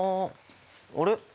あれ？